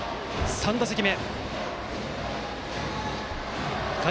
３打席目。